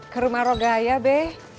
ke rumah rogaya be